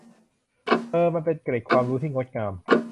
เออ มันเป็นเกร็ดความรู้ที่งดงาม